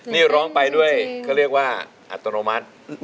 นี่ร้องไปด้วยเขาเรียกว่าอัตโนมัติ